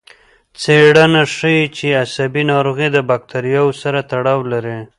څېړنه ښيي چې عصبي ناروغۍ د بکتریاوو سره تړاو لري.